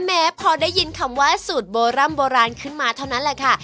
แม้พอได้ยินคำว่าสูตรโบร่ำโบราณขึ้นมาเท่านั้นแหละค่ะ